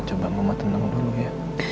coba ngomong tenang dulu ya